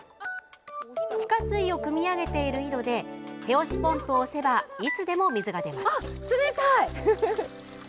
地下水をくみ上げている井戸で手押しポンプを押せばいつでも水が出ます。